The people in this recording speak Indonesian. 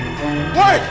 gak ada siapa siapa